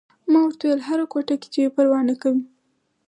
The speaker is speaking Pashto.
ما ورته وویل: هره کوټه چې وي، پروا نه کوي.